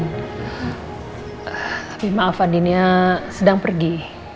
tapi maaf andina sedang pergi